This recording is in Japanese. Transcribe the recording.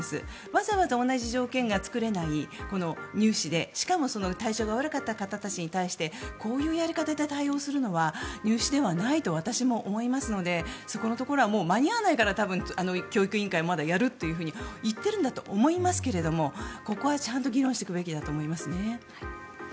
わざわざ同じ条件が作れない入試でしかも体調が悪かった方たちに対してこういうやり方で対応するのは入試ではないと私も思いますのでそこのところは間に合わないから教育委員会もまだやると言っているんだと思いますがここはちゃんと議論していくべきだと思います。